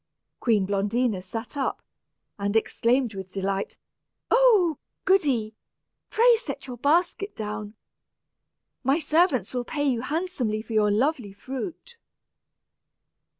Queen Blondina sat up, and exclaimed with delight, "Oh! Goody, pray set your basket down. My servants will pay you handsomely for your lovely fruit."